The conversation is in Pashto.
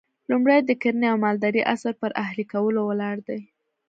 لومړی د کرنې او مالدارۍ عصر پر اهلي کولو ولاړ دی